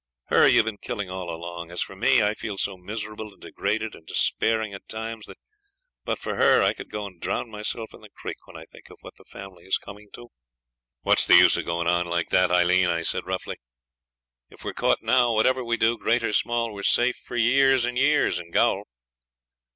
Her you've been killing all along. As for me, I feel so miserable and degraded and despairing at times that but for her I could go and drown myself in the creek when I think of what the family is coming to.' 'What's the use of going on like that, Aileen?' I said roughly. 'If we're caught now, whatever we do, great or small, we're safe for years and years in gaol.